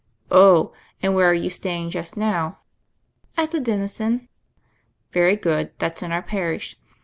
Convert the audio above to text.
"Oh I And where are you staying just now ?" "At the Dennison." "Very good; that's in our parish.